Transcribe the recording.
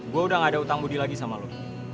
gue udah gak ada utang budi lagi sama lo